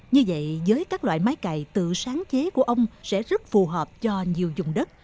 như vậy với các loại máy cày tự sáng chế của ông sẽ rất phù hợp cho nhiều dùng đất